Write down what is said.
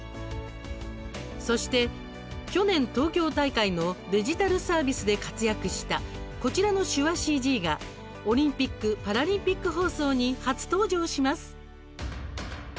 そして去年、東京大会のデジタルサービスで活躍したこちらの手話ＣＧがオリンピック・パラリンピック放送に初登場します。